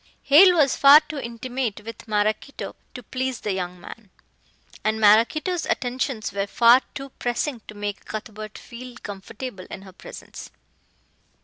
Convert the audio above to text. Hale was far too intimate with Maraquito to please the young man. And Maraquito's attentions were far too pressing to make Cuthbert feel comfortable in her presence.